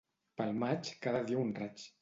Pel maig, cada dia un raig